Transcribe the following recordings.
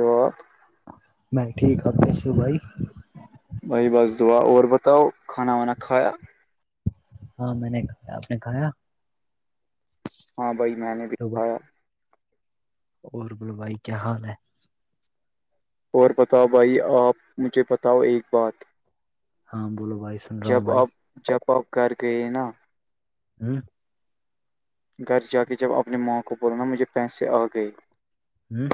وق میں ٹھیک ہتےسو بھائی بھائی بس دعا اور بتاؤ کھانا وانا کھایا ہاں میں نے کھایا آپ نے کھایا ہاں بھائی میں نے ہیلو دکھا اور بول بھائی کیا حال ہے اور بتاؤ بھائی آپ مجھے بتاؤ ایک بات ہاں بولو بھائی سن رہا ہوں جب بھائی آپ جب اپ گھر گئے نا ہوں گھر جا کے جب اپنی ماں کو بول نا مجھے پیسے آ گئے ہوں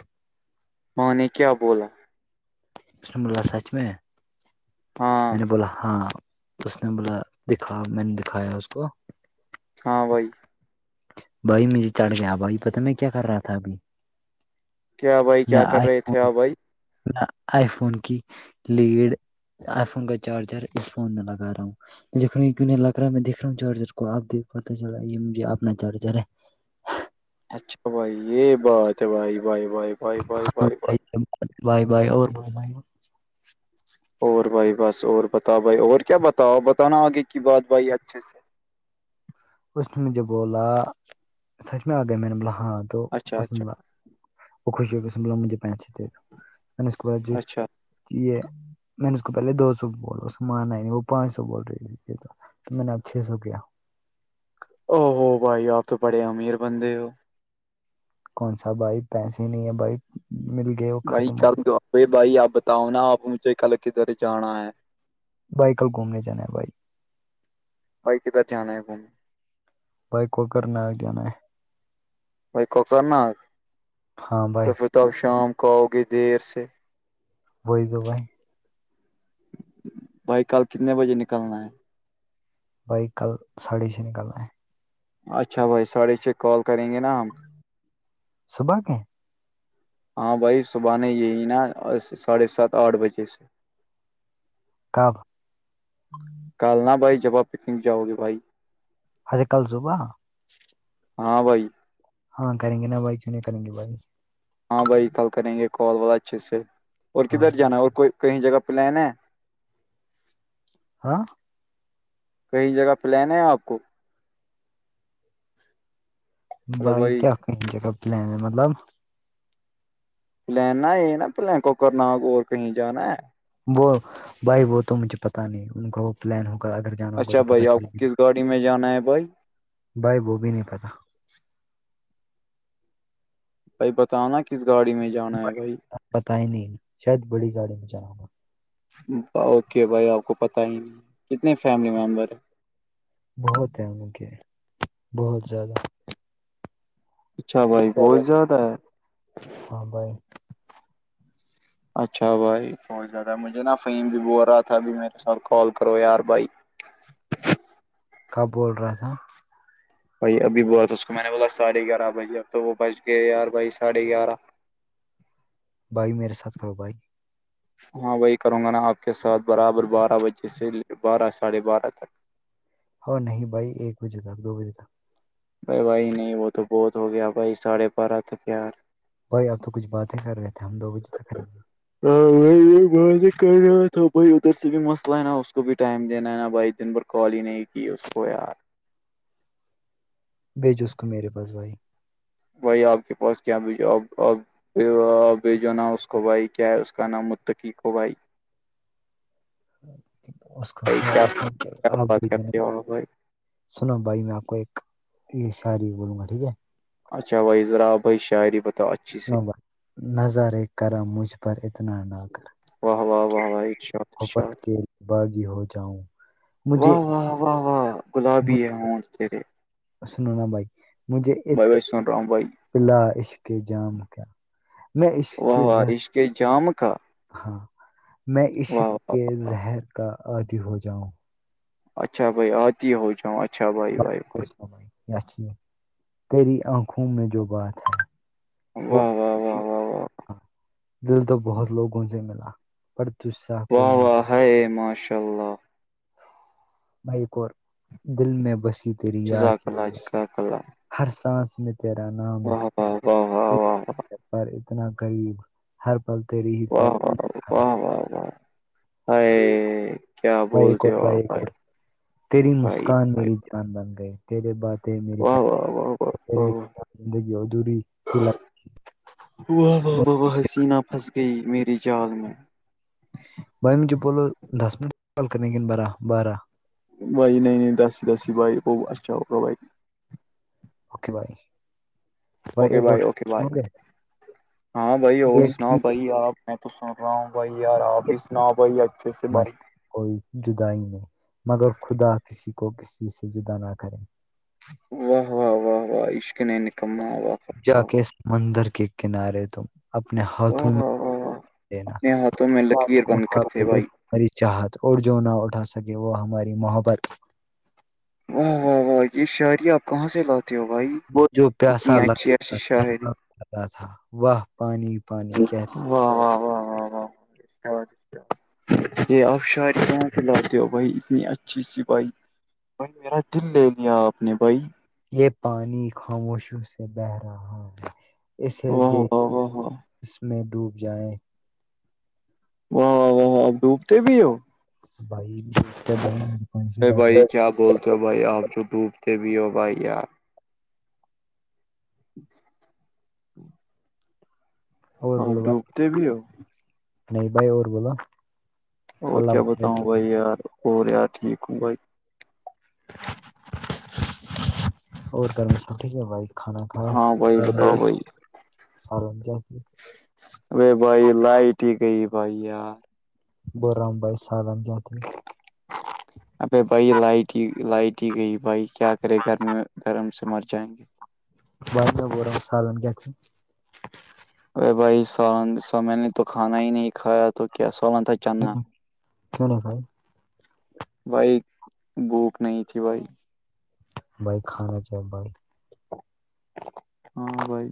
ماں نے کیا بولا اس نے بولا سچ میں ہاں میں نے بولا ہاں اس نے بولا دکھا میں نے دکھایا اس کو ہاں بھائی بھائی مجھے چڑھ گیا بھائی پتا میں کیا کر رہا تھا ابھی کیا بھائی میں کیا کر آئی رہے فون تھے آپ بھائی میں آئی فون کی لیڈ آئی فون کا چارجر اس فون میں لگا رہا ہوں د کیوں نہیں لگ رہا میں دیکھ رہا ہوں چارجر کو آپ د پتا چلا ہے یہ مجھے اپنا چارجر ہے اچھا بھائی یہ بات ہے بھائی بائی بھائی بھائی بائی بائی بائی بھائے بھائے اور ب بائی اور بھائی بس اور بتاؤ بھائی اور کیا بتاؤ بتانا آگے کی بات بھائی اچھے سے اس نے مجھے بولا سچ میں آ گیا میں نے بولا ہاں تو اچھا اس نے اچھا بولا وہ خوشی ہو گ س مجھے پہنچ اچھا جی یہ میں نے اس کو پہلے دو سو بول اس مانا ہی نہیں وہ پانچ سو بول رہی تو تو میں نے اب چھ سو کیا او ہوو بھائی آپ تو بڑے امیر بند ہو کون سا بھائی پیسے نہیں ہے بھائی مل گئے وہ بھائی ختم ہو گئے کلے بھائی آپ بتاؤ نا آپ مجھے کل کدھر جانا ہے بھائی کل گھومنے جانا ہے بھائی کل بھائی کدھر جانا ہے گھومے بھائی کوکر ناگ جانا ہے بھائی کوکر ناگ ہاں تو بھائی پھر تو آپ شام کو آؤ گے دیر سے وہی تو بھائی بھائی کل کتنے بجے نکلنا ہے بھائی کل ساڑے چھ نکلنا ہے اچھا بھائی ساڑے چھ کال کریں گے نا ہم صبح کے ہاں بھائی صبح یہی نا ساڑھے سات آٹھ بجے سے کب کالنا بھائی جب آپ پکنک جاؤ گے بھائی ہجے کل صبح ہاں بھائی ہاں کریں گے نا بھائی کیوں نہیں کریں گے بھائی ہاں بھائی کل کریں گے کال والا اچھے سے اور ہاں کدھر بھائی جانا ہے اور کوئی کہیں جگہ پلان ہے ہاں کہیں جگہ پلان ہے آپ کو بھائی کیا کہیںا پلان ہے مطلب پلینا ہے نا پل کوکر ناگ اور کہیں جانا ہے وہ بھائی وہ تو مجھے پتا نہیں ان کا وہ پلان ہوگا اگر جانا ہوگا اچھا تو پتا بھائی آپ چلے کو کس گا گاڑی میں جانا ہے بھائی بھائی وہ بھی نہیں پتا بھائی بتاو نا کس گاڑی میں جانا ہے بھائی پتا ہی نہیں شاید بڑی گاڑی میں جانا ہے اوکے بھائی آپ کو پت ہی نہیں کتنے فیملی ممبر ہیں بہت ہیں ان کے بہت زیادہ اچھا بھائی بہت زیادہ ہے ہاں [inaudible] اچھا بھائی بہت زیادہ ہے مجھے نا فہیم بھی بول رہا تھا ابھی میرے ساتھ کال کرو یار بھائی کب بول رہا تھا بھائی ابھی با تھا اس کو میں نے بولا ساڑھے گیار بھائی اب تو وہ بج گ یار بھائی ساھے گیارہ بھائی میرے ساتھ کرو بھائی ہاں وہی کروں گا نا آپ کے ساتھ برابر بارہ بجے سے بارہ ساڑھے بارہ تک اور نہیں بھائی ایک بجے تک دو بجے تک بھائی بھائی نہیں وہ تو بہت ہو گیا بھائی ساڑھے بارہ تک یار بھائی آپ تو کچھ باتیں کر رہے تھے ہم دو بجے تک رہیں گے بھائی ادھر سے بھی مسئلہ ہے نا اس کو بھی ٹائم دینا ہے نا بھائی دن بھر کال ہی نہیں کی اس کو یار بیجو اس کو میرے پاس بھائی بھائی آپ کے پاس کیا بھی ج بی جو نا اس کو بھائی کیا ہے اس کا نام متقیق ہو بھائی بھائی کیا کیا بات کرتے ہو بھائی [inaudible] سناو بھائی میں آپ کو ایک یہ شاری بولوں گا ٹھیک ہے اچھا بھائی ذرا آپ بھائی شاعری بتاؤ اچھی سی سنو بھائی نظرے کرم مجھ پر اتنا نہ کر واہ واہ واہ واہ ارشاد محبت ارشاد کے باغی ہو جاؤں مجھے واہ واہ واہ واہ گلابی ہے ہونٹ تیرے سنناا بھائی مجھے بھائی بھائی سن رہا ہوں بھائی پلا عشق جام کیا میں عشق کے زہر کہ جام کا ہاں میں عشق واہ واہ کے واہ واہ۔ زہر کا عادی ہو جاؤں اچھا بھائی آتی ہے ہو جاؤ اچھا بھائی بھائی بھائی چ تیری آنکھوں میں جو بات ہے وہ واہ واہ واہ واہ واہ ک دل تو بہت لوگوں سے ملا پردسا واہ واہ ہے ماشاء اللہ بھائییک اور دل میں بسی تیری یاد جزاک کی اللہ ہے جزاک اللہ ہر سانس میں تیرا نام واہ لکھ واہ واہ واہ واہ پر اتنا غریب ہر پل تری ہی پہ و واہ ا کی۔ کیا بھائی ایک بولتے اور ہو آپ ایک بھائی اور تیری بھائی مسکان بھائی میری جان بن گئی تیر باتیں میری واہ واہ واہ واہ واہ واہ زندگی ادھوری س ل واہ واہ و حسینہ پھنس گئی میرری جال میں بھائی مجھے بولو دس منٹ کال کریں گن بارہ بارہ بائی نہیںنے داسی داسی بائیک وہ اچھا ہو کا بائیک اوکے بھائی اوکے ایک اور بھائی اوکے سنو بھائی گے ہاں بھائی اور یہ سناؤ ٹھیک ہے بھائی آپ میں تو سن رہا ہوں بھائی یار آپ بھی سنا بھائی اچھے سے بھائی مت کوئی جدا ہی نہیں مگر خدا کسی کو کسی سے جدا نہ کریں و و و واہ اشک نے نکم و و و و مندر کے کنارے تم اپنے واہ ہاتھوں میں واہ واہ واہ دینا اپنے ہاتھوں میں لکیر بن کر تھے بھائی ہماری چاہت اور جو نہ اٹھا سکے وہ ہماری محبت واہ واہ واہ یہ شاعری آپ کہاں سے لاتے دیو بھئی وہ جو پیاسا لگتا تھاتا تھا وہاہ پانی پانی کہ و و و و واز یہ آپ شاعید کہاں کھلاتے ہو بھائی اتنی اچھی سی بائی بائی میرا دل لے لیا آپ نے بھائی یہ پانی خاموشیوں سے بہ رہا ہے اسے واہ واہ دیکھیں واہ کہ واہ اس میں ڈوب جائیں واہ و و و آپ ڈوبتے بھی ہو بھائی ب ار بھائی کیا بولتے ہو بھائی آپ جو ڈوبتے بھی ہو بھائی یار اور ڈوبتے بھی ہو نہیں بھائی اور بوولو اور کیا بتاؤں بھائی یار اور یار ٹھیک ہوں بھائی اور کرنا سب ٹھیک ہے بھائی کھانا کاا ہاں بھائی بتاؤ بھائی سرن کیا اے بھائی لائٹ ہی گئی بھائی یار برام بائی سالم ج تھ ابے بھائی لائٹ ہی لائٹ ہی گئی بھائی کیا کرے گرمی گرم سے مر جائیں گے بات میں ب رہا سالن کیا تھ ارے بھائی س سامل نے تو کھانا ہی نہیں کھایا تو کیا سولن تھا چنا کناا سائی بھائی بوک نہیں تھی بھائی بائک کھانا چاہ بائک [inaudible] ہاں بھائی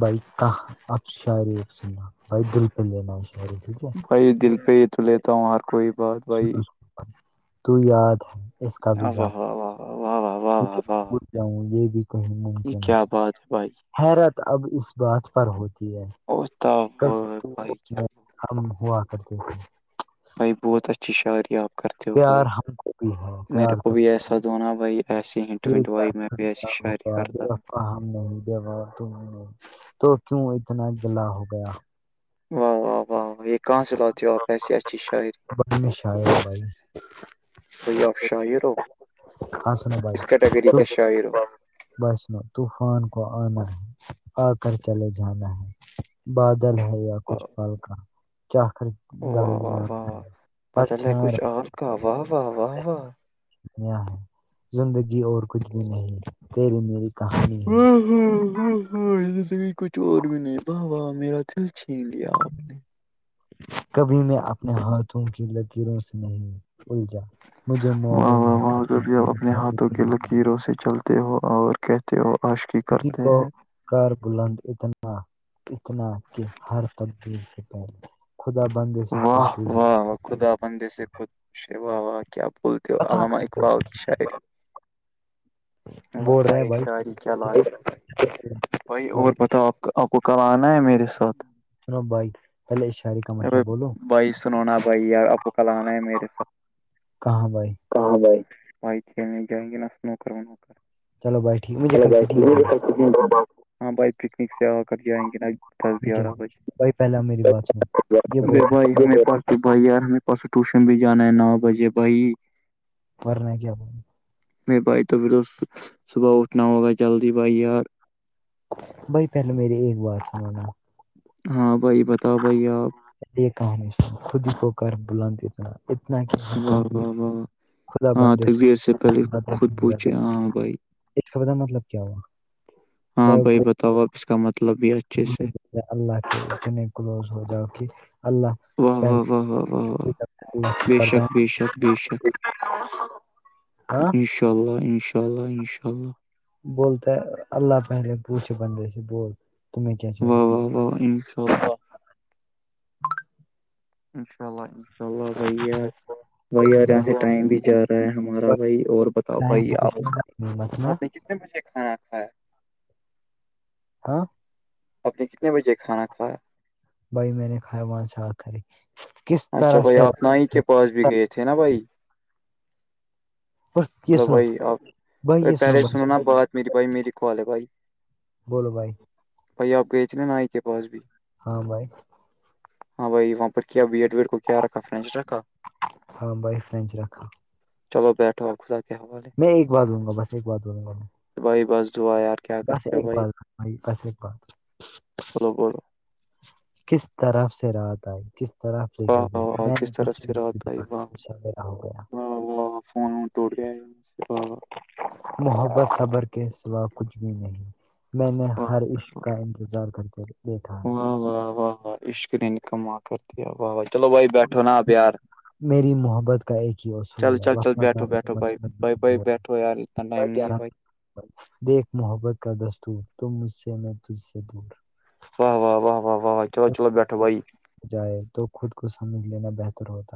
بھائی کا اب شارینا بھائی دک دینا [inaudible] بھائی دل پہ ہی تو لیتا ہوں ہر کوئی بات بھائی سنا تو یاد اس کا بھی واہ واہ واہ واہ واہ واہ واہ واہ واہ، جامچاؤ یہ بھی کہیں یہ ممکن ہو کیا بات ہے بھائی [inaudible] حیرت اب اس بات پر ہوتی ہے بھائی کیا ہم ہوا کرتے تھے بھائی بہت اسھ شعری آیاف کر [inaudible] بھائی پیار ہم کو بھی ہے میرے پیار کو تم بھی ایسا دھونا بھائی ایسی ہٹ وٹ بھائی میں بھی ایسی شاعری کرتا اپا ہم نہیں دیوا تم نہیں تو کیوں اتنا گلا ہو گیا [inaudible] واہ واہ واہ و [inaudible] کہ سے لات دی ہو آپ ایسی اچھی شاعری بڑی میں شاعر ہوں بھائی [unintelligible] بائی آپ شاعر ہو ہاں سنو کس کیٹیگری کے شاعر ہو بسنو طوفان کو آنا ہے آ کر چلے جانا ہے [inaudible] بادل ہے یا کچھ واہ پالکا کیاخر واہ گلڈ واہ جا واہ رہا واہ ہے پرچ بدل ہے کچھ رہ [inaudible] اور کا واہ واہ واہ واہ [inaudible] یہ ہے زندگی اور کچھ بھی نہیں تیری میری کہانی ہے ہوں [inaudible] ہاں ہاں ہاں اس سے کچھ اور بھی نہیں بوا میرا دل چھین لیا آپ نے [inaudible] کبھی میں اپنے ہاتھوں کی لکیروں سے نہیں الجا مجھے واہ معلوم واہ ہے کہ واہ کبھی آپ اپنے ہاتھوں کی لکیروں سے چلتے ہو اور کہتے ہو عاشقی کسی کرتے کو ہیں کار بلند اتنا اتنا کہ ہر تبدیر سے پہلے خدا بندے سے خود واہ پوجے واہ واہ! خدا بندے سے خود پوشے واہ واہ کیا بولتے ہو بتا علامہ اقبال کی شاعری ب بول رہے ہیں بھائی شاعری چل بائی اور بھائی پتہ آپ کا [inaudible] آپ کو کل آنا ہے میرے ساتھ جنو بھائی پہلے اشار کا مسئلہ ارے بولو بھائی سنونا بھائی آپو کل آناا ہے میرے ساتھ کہاں بھائی [inaudible] کہاں جھائی بائی کھیلنے جائیں گے نا اس نوکر و نوکر [inaudible] چلو بھائی ٹھیک مجھے کل پکنک جانا ہے۔ ہاں بھائی پکنک سے آ کر جائیں گے ن [inaudible] ٹھیک ہے بھائی کوئی پہلا میری بات س [inaudible] ارے بھائی ہمیں پس بھائی یار ہمیں پاسوں ٹیوشن بھی جانا ہے نو بجے بھائی [inaudible] پرن کیا آ [inaudible] نہیں بھائی توبھر تو صبح اٹھنا ہوگا جلدی بھائی یار بائی پہلے میرری ایک بار سنا ہاں بھائی بتاؤ بھائی آپ یہ کہانی سن خود ہی کو کر بلند اتنا اتنا کہ واہ واہ حرک واہ واہ خدا بند ہاں جیس تقدیر سے پہلے خود پوچھے ہاں [inaudible] بھائی اس کا بد کا مطلب کیا ہوا ہاں بھائی بتاؤ آپ اس کا مطلب یہ ہے اللہ کے اتنے کلوز ہو جاؤ کہ اللہ واہ [inaudible] واہ واہ واہ واہ واہ بے کر شک بے شک بے شک [inaudible] ہاں [inaudible] ان شاء اللہ ان شاء اللہ ان شاء اللہ بولتا اللہ پہلے پوچھے بندے سے بول تمہیں کیا و چاہیے واہ و انشاءلہ [inaudible] انشاء اللہ انشاء اللہ بھیا بھائی ار یہاں سے ٹائم بھی جا رہا ہے ہمارا بھائی اور بتاؤ بھائی آپ بتنا آپ نے مجھے کانا کھایا ہاں آپ نے کتنے بجے کھانا کھایا بھائی میں نے کھیا وہاں سے آ کر اچھا بھائی آپ ن ہی کے پاس بھی گئے تھے نا سے- بھائی [inaudible] یہ ہلو سنو بھائی آپ بھائی یہ پہلے سنو نا بھائی بات میری بھائی میری کال ہے بھائی بولو بھائی بھائی آپ گئے تھے نا نائی کے پاس بھی ہاں بھائی ہاں بھائی وہاں پر کیا بیڈ ویڈ کو کیا رکھا فرینچ رکھا ہاں بائ فرن رکھا چلو بیٹھو آپ خدا کے حوالے میں ایک بار دوں گا بس ایک بات بولوں گا بھائی بس دعا کیا بس کرتے ہو ایک بھائی بات بھائی بس ایک بات فلو بو کس طرف سے رہاتا ہے کس طرح واہ نے واہ واہ کس طرف سے رات آئی واہ ہو گیا واہ واہ فون وون ٹوٹ گیا یہاں سے محبت صبر کے سوا کچھ بھی نہیں میں نے واہ ہر عشق کا انتظار کرتے دیکھا ہے واہ واہ واہ عشقری ن کما کرتی واہ واہ چلو بھائی بیٹھو نا آپیار میری محبت کا ایک ہی چل اصول ہے چل چل بیٹھو بیٹھو بھائی بھائی بھائی بیٹھو یار اتنا ٹائم نہیں وقت ہے بھائی دیکھ محبت کا دستور تو مجھ سے میں تجھ سے دور واہ واہ واہ واہ واہ واہ چلو ہو چلو بیٹھو بائی جائے تو خود کو سمجھ لینا بہتر ہوتا ہے